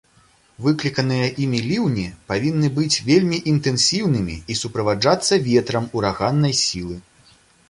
Выкліканыя імі ліўні павінны быць вельмі інтэнсіўнымі і суправаджацца ветрам ураганнай сілы.